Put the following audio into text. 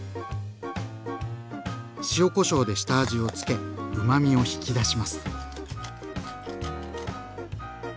塩・こしょうで下味をつけうまみを引き出します。